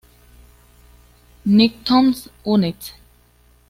Nicktoons Unite!